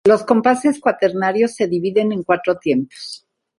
Los compases cuaternarios se dividen en cuatro tiempos.